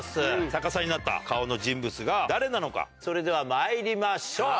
逆さになった顔の人物が誰なのかそれではまいりましょう。